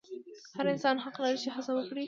هر انسان حق لري چې هڅه وکړي.